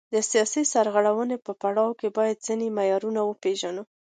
د سیاسي سرغړونې په پړاو کې باید ځینې معیارونه وپیژنو.